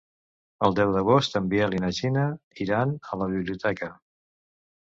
El deu d'agost en Biel i na Gina iran a la biblioteca.